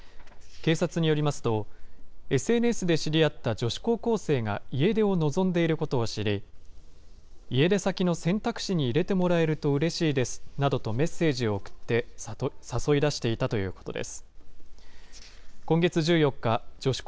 警察によりますと、ＳＮＳで知り合った女子高校生が家出を望んでいることを知り、家出先の選択肢に入れてもらえるとうれしいですなどとメッセージを送って誘い出していたということです。